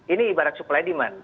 ini ibarat supply demand